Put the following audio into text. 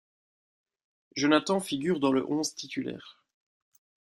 Jonathan figure dans le onze titulaire.